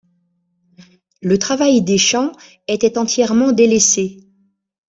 Le travail des champs était entièrement délaissé.